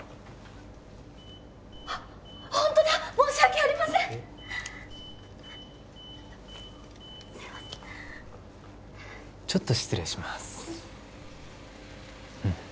あっホントだ申し訳ありませんすいませんちょっと失礼します